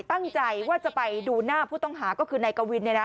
ตั้งใจว่าจะไปดูหน้าผู้ต้องหาก็คือนายกวิน